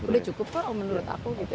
udah cukup kok menurut aku gitu